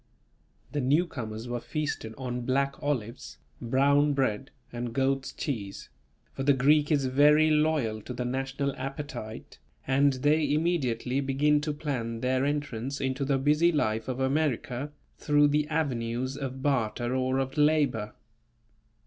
The newcomers were feasted on black olives, brown bread and goat's cheese; for the Greek is very loyal to the national appetite, and they immediately begin to plan their entrance into the busy life of America, through the avenues of barter or of labour.